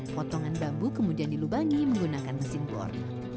potongan bambu kemudian dilubangi menggunakan mesin bor